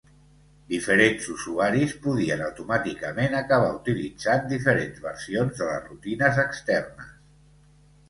Diferents usuaris podien automàticament acabar utilitzant diferents versions de les rutines externes.